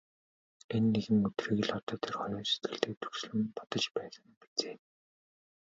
Энэ нэгэн өдрийг л одоо тэр хоёр сэтгэлдээ дүрслэн бодож байсан биз ээ.